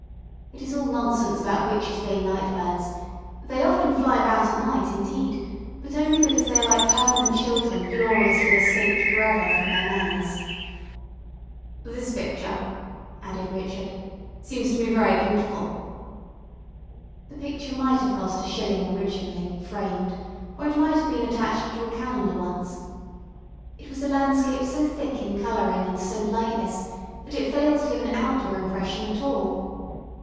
It is all nonsense about witches being night birds; they often fly about at night, indeed, but only because they are like permanent children gloriously escaped for ever from their Nanas. "This picture," added Richard, "seems to me very beautiful." The picture might have cost a shilling originally, framed, or it might have been attached to a calendar once. It was a landscape so thick in colouring and so lightless that it failed to give an outdoor impression at all.